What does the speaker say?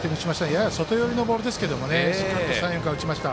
やや外寄りのボールですけどしっかりと打ちました。